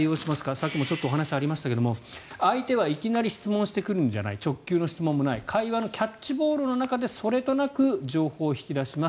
さっきもちょっとお話がありましたが相手はいきなり質問してくるのではない直球の質問もない会話のキャッチボールの中でそれとなく情報を引き出します。